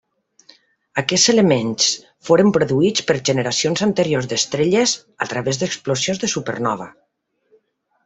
Aquests elements foren produïts per generacions anteriors d'estrelles a través d'explosions de supernova.